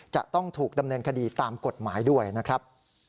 จะต้องถูกดำเนินคดีตามกฎหมายด้วยนะครับ